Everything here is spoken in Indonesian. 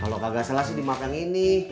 kalau kagak salah sih di markang ini